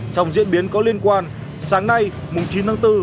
trong diễn biến có liên quan sáng nay chín tháng bốn